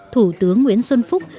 thủ tướng nguyễn xuân phúc